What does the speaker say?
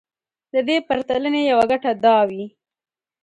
د دې پرتلنې يوه ګټه دا وي.